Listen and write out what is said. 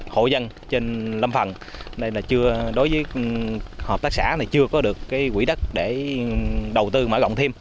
hộ dân trên lâm phần đối với hợp tác xã này chưa có được cái quỹ đắc để đầu tư mở rộng thêm